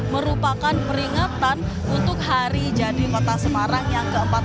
merupakan peringatan untuk hari jadi kota semarang yang ke empat puluh lima